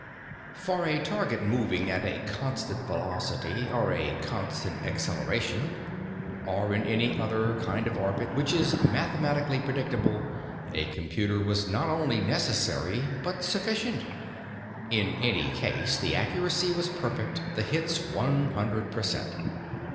For a target moving at a constant velocity, or a constant acceleration, or in any other kind of orbit which is mathematically predictable, a computer was not only necessary, but sufficient. In such a case, the accuracy was perfect, the hits one hundred per cent.